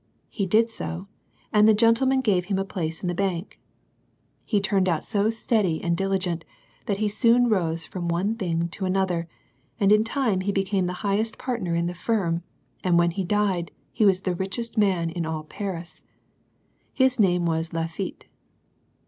He did so, and the gentleman gave him a place in the bank. He turned out so steady and diligent, that he soon rose from one thing to another, and in time he became the highest partner in the firm, and when he died he was the richest man in all Paris. His name was Lafiitte.